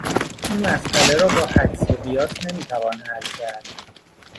این مسئله را با حدس و قیاس نمیتوان حل کرد.